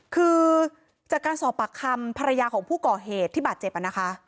คือจากการสอบปากคำภรรยาของผู้ก่อเหตุที่บาดเจ็บนะคะ